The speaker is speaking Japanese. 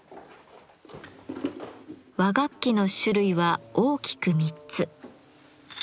和楽器の種類は大きく３つ。